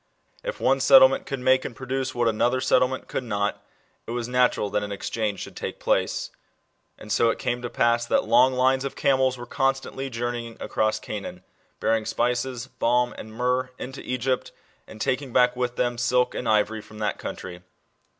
If one settlement could make and produce what another settlement could not, it was natural that an exchange should take place. And so it came to pass that iong lines of camels were constantly journeying across Canaan bearing spices, balm, and myrrh intb Egypt, and taking back with B.O. 1729.] THE STORY OF JOSEPH. 11 them silk and ivory from that country.